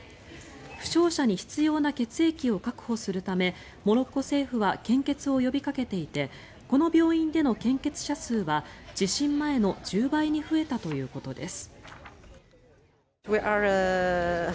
負傷者に必要な血液を確保するためモロッコ政府は献血を呼びかけていてこの病院での献血者数は地震前の１０倍に増えたということです。